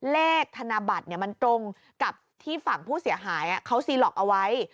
ธนบัตรมันตรงกับที่ฝั่งผู้เสียหายเขาซีหลอกเอาไว้